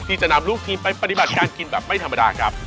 ที่จะนำลูกทีมไปบรรยายการกินแบบไม่ธรรมดากับ